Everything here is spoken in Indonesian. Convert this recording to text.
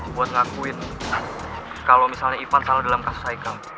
buat ngakuin kalo misalnya ivan salah dalam kasus highcrown